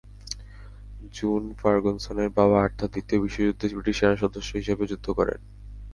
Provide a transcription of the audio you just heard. June ফার্গুসনের বাবা Arthur দ্বিতীয় বিশ্বযুদ্ধে ব্রিটিশ সেনাসদস্য হিসেবে যুদ্ধ করেন।